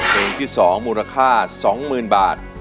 เกิงที่สองมูลค่าสองหมื่นบาท